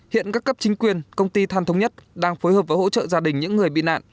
hiện các cấp chính quyền công ty than thống nhất đang phối hợp và hỗ trợ gia đình những người bị nạn